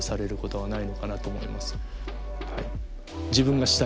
はい。